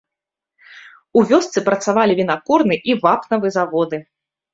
У вёсцы працавалі вінакурны і вапнавы заводы.